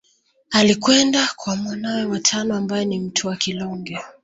Alikwenda kwa mwanawe wa tano ambaye ni Mtwa Kilonge